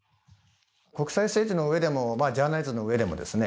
国際政治の上でもジャーナリズムの上でもですね